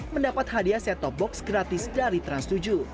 mendapat hadiah set top box gratis dari trans tujuh